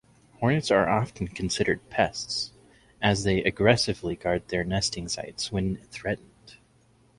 Hornets are often considered pests, as they aggressively guard their nesting sites when threatened.